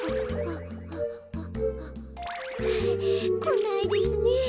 こないですねえ。